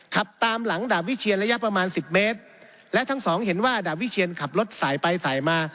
ขับตามหลังดาบวิเชียนระยะประมาณสิบเมตรและทั้งสองเห็นว่าดาบวิเชียนขับรถสายไปสายมา